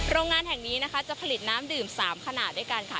โรงงานแห่งนี้นะคะจะผลิตน้ำดื่ม๓ขนาดด้วยกันค่ะ